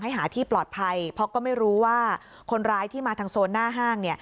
หาที่ปลอดภัยเพราะก็ไม่รู้ว่าคนร้ายที่มาทางโซนหน้าห้าง